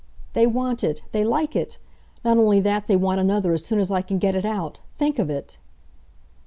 "They want it! They like it! Not only that, they want another, as soon as I can get it out. Think of it!"